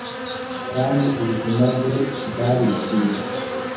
kandi ubuzima bwe bwarishimye